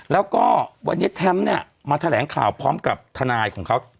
แล้วก็วันนี้แท้มเนี่ยมาแถลงข่าวพร้อมกับทนายของเขา